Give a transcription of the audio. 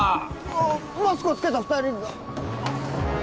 あぁマスクを着けた２人が。